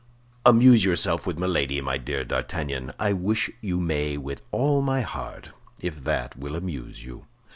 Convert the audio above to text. "Amuse yourself with Milady, my dear D'Artagnan; I wish you may with all my heart, if that will amuse you."